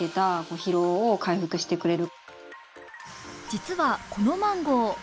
実はこのマンゴー。